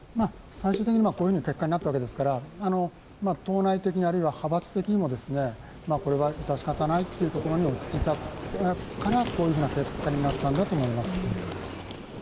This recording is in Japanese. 最終的にこういう結果になったわけですから、党内的にも派閥的にもこれは致し方ないというところに落ち着いたからこういう結果になったんだと思います。